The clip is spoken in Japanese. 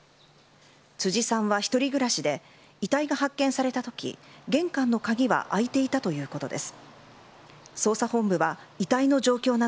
辻さんは一人暮らしで遺体が発見されたとき玄関の鍵は開いていたということです。